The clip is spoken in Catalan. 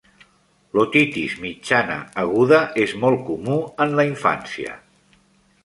L'otitis mitjana aguda és molt comú en la infància.